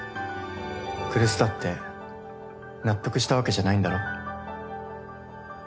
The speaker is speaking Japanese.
来栖だって納得したわけじゃないんだろ？